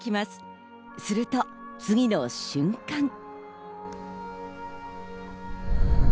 すると次の瞬間。